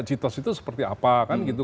itu itu seperti apa akan gitu